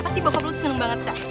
pasti bokap lo tuh seneng banget sa